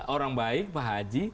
orang baik pak haji